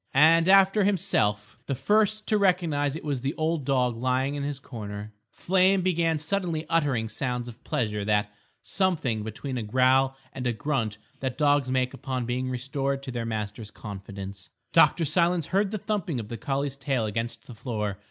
And, after himself, the first to recognise it was the old dog lying in his corner. Flame began suddenly uttering sounds of pleasure, that "something" between a growl and a grunt that dogs make upon being restored to their master's confidence. Dr. Silence heard the thumping of the collie's tail against the floor.